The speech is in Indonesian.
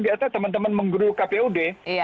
biasanya teman teman menggeruduk kpud